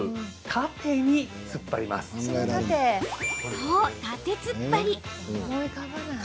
そう、縦つっぱり。